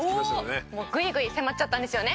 グイグイ迫っちゃったんですよね？